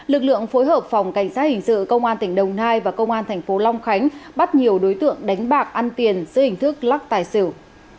lực lượng phối hợp phòng cảnh sát hình sự công an tỉnh đồng nai và công an thành phố long khánh bắt nhiều đối tượng đánh bạc ăn tiền giữa hình thức lắc tài xỉu